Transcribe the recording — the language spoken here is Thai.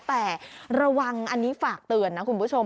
แต่ระวังอันนี้ฝากเตือนนะคุณผู้ชม